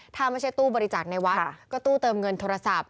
ถ้าไม่ใช่ตู้บริจาคในวัดก็ตู้เติมเงินโทรศัพท์